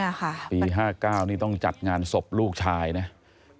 โอ้โหปี๕๙นี่ต้องจัดงานศพลูกชายนะเนี่ยค่ะ